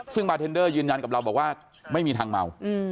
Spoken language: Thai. ซึ่งมาร์เทนเดอร์ยืนยันกับเราบอกว่าไม่มีทางเมา